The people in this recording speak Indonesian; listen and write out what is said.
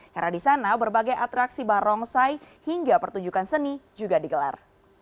karena di sana berbagai atraksi barongsai hingga pertunjukan seni juga digelar